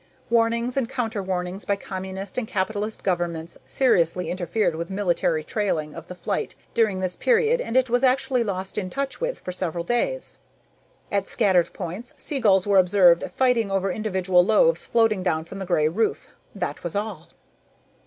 Warnings and counterwarnings by Communist and Capitalist governments seriously interfered with military trailing of the flight during this period and it was actually lost in touch with for several days. At scattered points, seagulls were observed fighting over individual loaves floating down from the gray roof that was all.